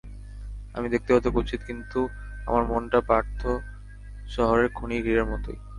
আমি দেখতে হয়তো কুৎসিত কিন্তু আমার মনটা পার্থ শহরের খনির হিরের মতোই।